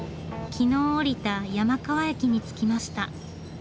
昨日降りた山川駅に着きました。